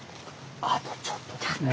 あとちょっとですね。